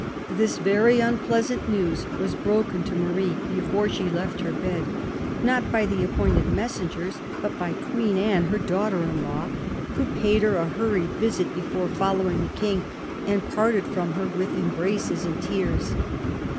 This very unpleasant news was broken to Marie before she left her bed, not by the appointed messengers, but by Queen Anne, her daughter in law, who paid her a 220 CARDINAL DE RICHELIEU hurried visit before following the King, and parted from her with embraces and tears.